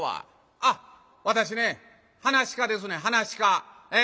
「あっ私ね噺家ですねん噺家。